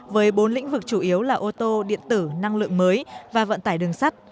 với bốn lĩnh vực chủ yếu là ô tô điện tử năng lượng mới và vận tải đường sắt